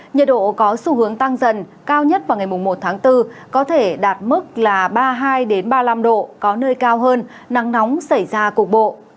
nhiệt độ có xu hướng tăng dần cao nhất vào ngày một tháng bốn có thể đạt mức ba mươi hai ba mươi năm độ có nơi cao hơn nắng nóng xảy ra cục bộ